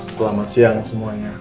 selamat siang semuanya